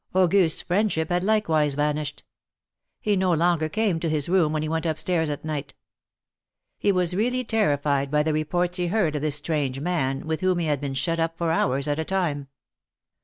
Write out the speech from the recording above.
Auguste's friendship had likewise vanished. He no longer came to his room when he w^ent up stairs at night. He was really terrified by the reports he heard of this strange man, with whom he had been shut up for hours at a time.